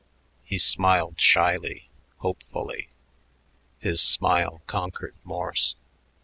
He smiled shyly, hopefully. His smile conquered Morse.